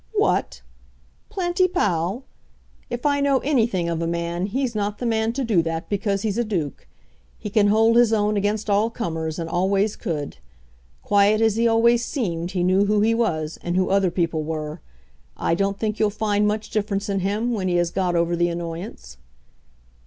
"What! Planty Pall! If I know anything of a man he's not the man to do that because he's a duke. He can hold his own against all comers, and always could. Quiet as he always seemed, he knew who he was, and who other people were. I don't think you'll find much difference in him when he has got over the annoyance."